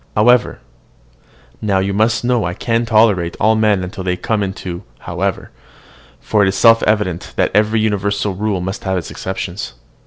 However," now, you must know I can tolerate all men till they come to "however;" for it is self evident that every universal rule must have its exceptions.